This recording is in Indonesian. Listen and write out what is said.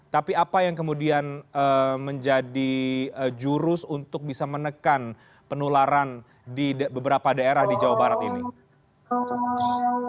tapi apa yang kemudian menjadi jurus untuk bisa menekan penularan di beberapa daerah di jawa barat ini